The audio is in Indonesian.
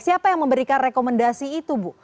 siapa yang memberikan rekomendasi itu bu